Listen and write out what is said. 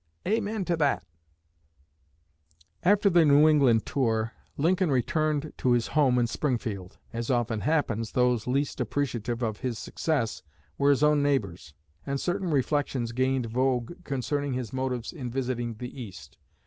amen to that!" After the New England tour, Lincoln returned to his home in Springfield. As often happens, those least appreciative of his success were his own neighbors; and certain reflections gained vogue concerning his motives in visiting the East.